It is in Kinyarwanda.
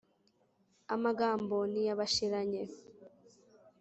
amagambo ntiyabashiranye